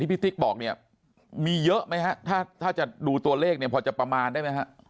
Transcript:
ที่พี่ศิกบอกมีเยอะไหมหรอถ้าจะดูตัวเลขเนี่ยจะประมาณได้